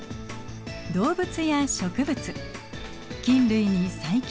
動物や植物菌類に細菌。